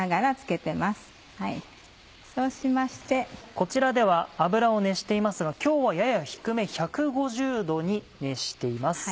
こちらでは油を熱していますが今日はやや低め１５０℃に熱しています。